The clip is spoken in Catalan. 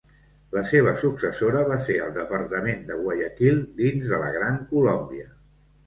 La seva successora va ser el Departament de Guayaquil dins de la Gran Colòmbia.